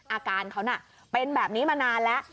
อาการเขาน่ะเป็นแบบนี้มานานแล้ว